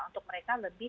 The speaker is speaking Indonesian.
untuk mereka lebih